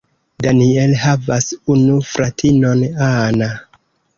Daniel havas unu fratinon Anna.